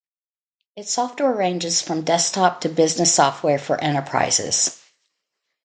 Its software ranges from desktop to business software for enterprises.